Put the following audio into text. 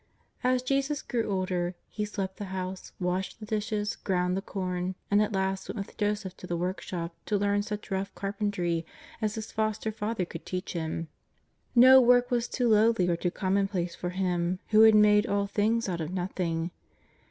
As Jesus grew older. He swept the house, washed the dishes, ground the corn, and at last went with Joseph to the workshop to learn such rough carpentry as His Foster father could teach Him. ISTo work was too lowly or too commonplace for Him who had made all things out of nothing.